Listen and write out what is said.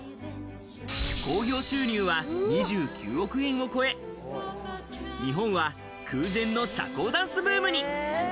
興行収入は２９億円を超え、日本は空前の社交ダンスブームに。